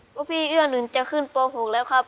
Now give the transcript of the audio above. เพราะพี่เอื้อหนุนจะขึ้นโปรหกแล้วครับ